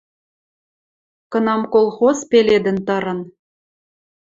Кынам колхоз пеледӹн тырын